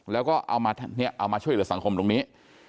แล้วก็เอามาช่วยเหลือสังคมตรงนี้